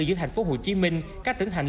giữa thành phố hồ chí minh các tỉnh hành